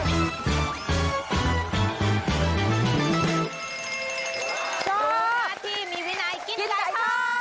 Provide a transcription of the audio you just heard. หน้าที่มีวินัยกินไก่ทอด